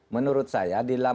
menurut saya di dalam